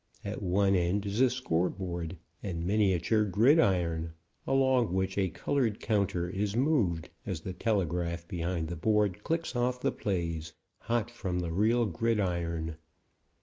At one end is a scoreboard and miniature gridiron, along which a colored counter is moved as the telegraph behind the board clicks off the plays hot from the real gridiron.